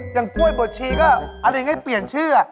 กล้วยบดชีก็อะไรอย่างนี้เปลี่ยนชื่อ